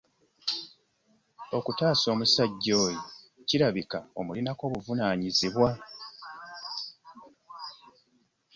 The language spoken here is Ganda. Okutaasa omusajja oyo kirabika omulinako obuvunanyizibwa.